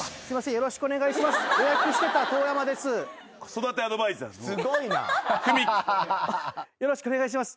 よろしくお願いします。